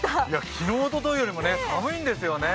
昨日、おとといよりも寒いんですよね。